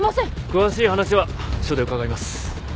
詳しい話は署で伺います。